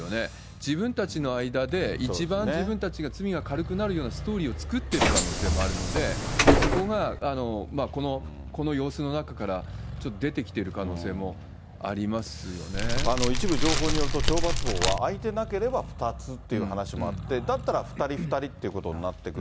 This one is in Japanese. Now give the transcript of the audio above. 自分たちの間で一番自分たちが罪が軽くなるようなストーリーを作っている可能性もあるので、そこがこの様子の中から出てきてる可一部情報によると、懲罰房は空いてなければ２つという話もあって、だったら２人、２人っていうことになってくる。